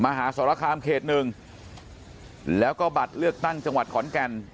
มหาสรคามเขตหนึ่งแล้วก็บัตรเลือกตั้งจังหวัดขอนแก่น